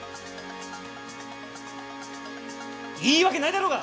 いいわけないだろうが。